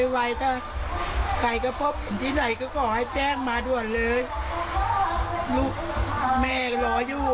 ไวถ้าใครก็พบที่ไหนก็ขอให้แจ้งมาด่วนเลยลูกแม่ก็รออยู่